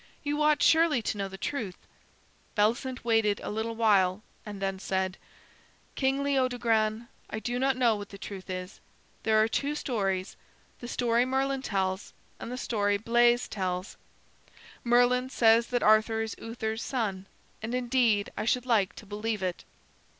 You ought surely to know the truth." Bellicent waited a little while, and then said: "King Leodogran, I do not know what the truth is. There are two stories: the story Merlin tells and the story Bleys tells. Merlin says that Arthur is Uther's son, and indeed I should like to believe it."